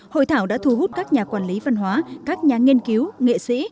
hội thảo đã thu hút các nhà quản lý văn hóa các nhà nghiên cứu nghệ sĩ